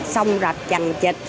sông rạch chành chịch